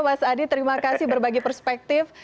mas adi terima kasih berbagi perspektif